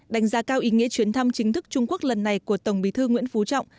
đánh giá cao ý nghĩa chuyến thăm chính thức trung quốc lần này của tổng bí thư nguyễn phú trọng